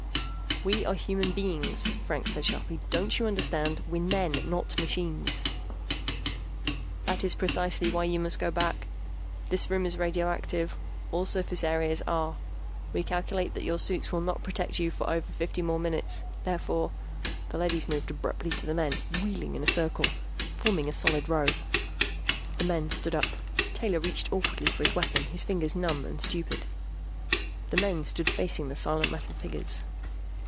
"We are human beings," Franks said sharply. "Don't you understand? We're men, not machines." "That is precisely why you must go back. This room is radioactive; all surface areas are. We calculate that your suits will not protect you for over fifty more minutes. Therefore " The leadys moved abruptly toward the men, wheeling in a circle, forming a solid row. The men stood up, Taylor reaching awkwardly for his weapon, his fingers numb and stupid. The men stood facing the silent metal figures.